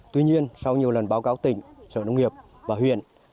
tuy nhiên sau nhiều lần báo cáo tỉnh sở nông nghiệp và huyện